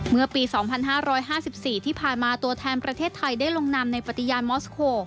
เมื่อปี๒๕๕๔ที่ผ่านมาตัวแทนประเทศไทยได้ลงนำในปฏิญาณมอสโค